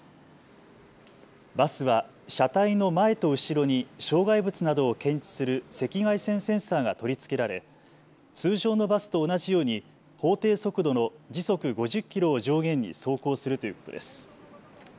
バスは車体の前と後ろに障害物などを検知する赤外線センサーが取り付けられ通常のバスと同じように法定速度の時速５０キロを上限に走行するということです。